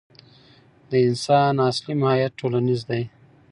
د انسان اصلي ماهیت ټولنیز دی.